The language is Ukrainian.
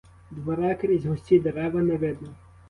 Двора крізь густі дерева не видно.